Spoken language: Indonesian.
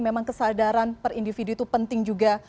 memang kesadaran per individu itu penting juga